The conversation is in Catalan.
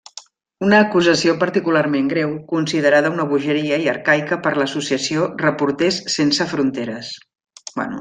Una acusació particularment greu, considerada una bogeria i arcaica per l'associació Reporters Sense Fronteres.